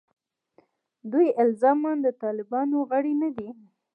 دوی الزاماً د طالبانو غړي نه دي.